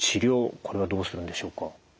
これはどうするんでしょうか？